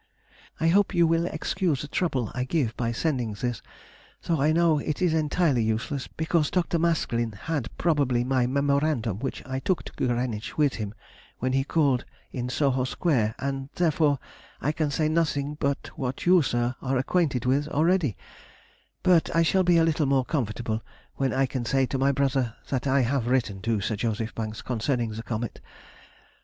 I hope you will excuse the trouble I give by sending this, though I know it is entirely useless, because Dr. Maskelyne had probably my memorandum which I took to Greenwich with him when he called in Soho Square, and therefore I can say nothing but what you, sir, are acquainted with already; but I shall be a little more comfortable when I can say to my brother I have written to Sir J. Banks concerning the comet.